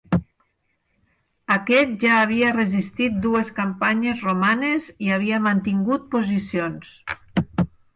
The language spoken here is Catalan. Aquest ja havia resistit dues campanyes romanes i havia mantingut posicions.